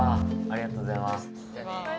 ありがとうございます。